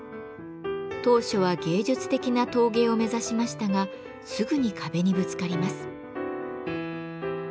当初は芸術的な陶芸を目指しましたがすぐに壁にぶつかります。